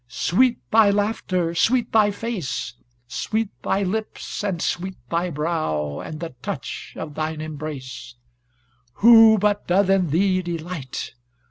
Sweet thy laughter, sweet thy face, Sweet thy lips and sweet thy brow, And the touch of thine embrace. Who but doth in thee delight?